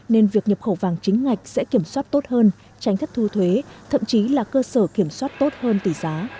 nên việc nhập khẩu vàng chính ngạch sẽ kiểm soát tốt hơn tránh thất thu thuế thậm chí là cơ sở kiểm soát tốt hơn tỷ giá